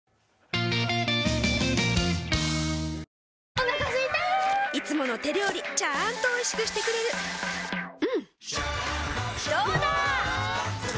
お腹すいたいつもの手料理ちゃんとおいしくしてくれるジューうんどうだわ！